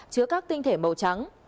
chứa các tinh thể màu trắng